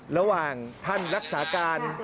ระหว่างท่านรักษาการ